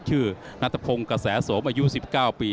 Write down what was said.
นัทพงศ์กระแสโสมอายุ๑๙ปี